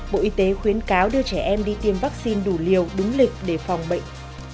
bộ y tế khuyến cáo đưa trẻ em đi tiêm vắc xin đủ liều đúng lịch để phòng bệnh